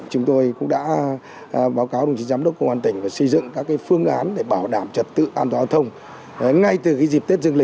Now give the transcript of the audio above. chúng tôi cũng đã báo cáo đồng chí giám đốc công an tỉnh và xây dựng các phương án để bảo đảm trật tự an toàn giao thông